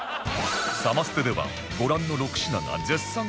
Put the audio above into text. サマステではご覧の６品が絶賛発売中